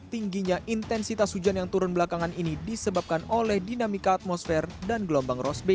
tingginya intensitas hujan yang turun belakangan ini disebabkan oleh dinamika atmosfer dan gelombang rosbe